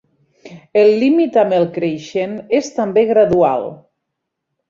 El límit amb el creixent és també gradual.